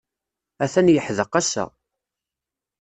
Atan yeḥdeq ass-a.